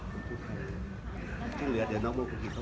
ผมพูดแค่นี้ที่เหลือเดี๋ยวน้องมงกุลกิจต้องฟัง